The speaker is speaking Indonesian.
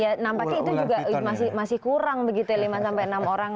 ya nampaknya itu juga masih kurang begitu lima enam orang